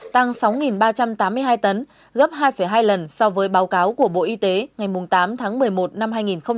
tăng sáu ba trăm tám mươi hai tấn gấp hai hai lần so với báo cáo của bộ y tế ngày tám tháng một mươi một năm hai nghìn một mươi chín